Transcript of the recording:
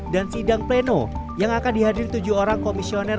dan sidang pleno yang akan dihadiri tujuh orang komisioner